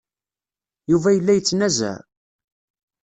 Yuba yella yettnazaɛ.